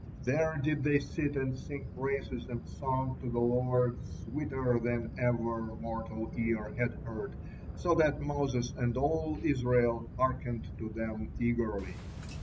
There did they sit and sing praises and song to the Lord sweeter than ever mortal ear had heard, so that Moses and all Israel hearkened to them eagerly.